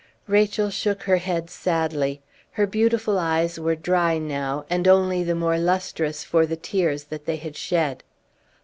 Rachel shook her head sadly; her beautiful eyes were dry now, and only the more lustrous for the tears that they had shed.